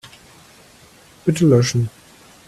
Bitte löschen.